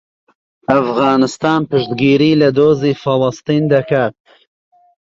ئەفغانستان پشتگیری لە دۆزی فەڵەستین دەکات.